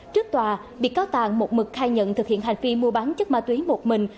trước tòa bị cáo tàn một mực khai nhận thực hiện hành vi mua bán chất ma túy một mình